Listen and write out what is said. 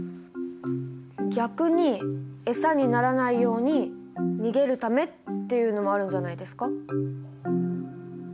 逆にエサにならないように逃げるためっていうのもあるんじゃないですか？